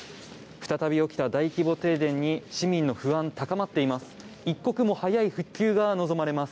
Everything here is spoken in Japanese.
再び起きた大規模停電に市民の不安が高まっています。